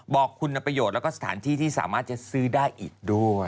บอกคุณประโยชน์แล้วก็สถานที่ที่สามารถจะซื้อได้อีกด้วย